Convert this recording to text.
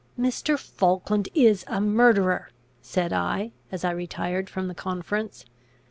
"Mr. Falkland is a murderer!" said I, as I retired from the conference.